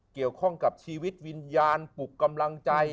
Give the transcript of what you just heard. เกี่ยวข้องกับชีวิตวิญญาณปลุกกำลังใจ